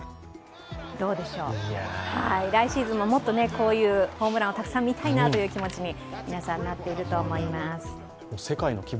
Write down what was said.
来シーズンももっとこういうホームランをたくさんみたいなという気持ちになっていると思います。